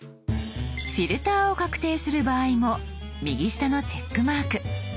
フィルターを確定する場合も右下の「チェックマーク」。